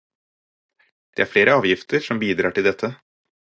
Det er flere avgifter som bidrar til dette.